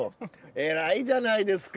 偉いじゃないですか。